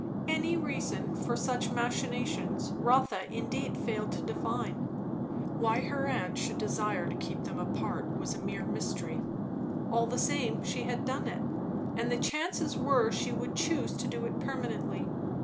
Any reason for such machinations Rotha indeed failed to divine; why her aunt should desire to keep them apart, was a mere mystery; all the same, she had done it; and the chances were she would choose to do it permanently.